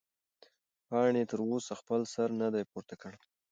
پاڼې تر اوسه خپل سر نه دی پورته کړی.